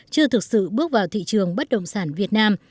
chưa thực sự bước vào thị trường bất động sản việt nam